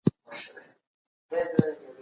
د دې نعمتونو شکر څنګه ادا کوئ؟